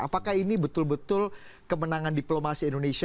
apakah ini betul betul kemenangan diplomasi indonesia